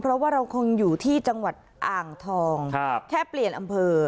เพราะว่าเราคงอยู่ที่จังหวัดอ่างทองแค่เปลี่ยนอำเภอ